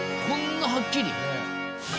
こんなはっきり？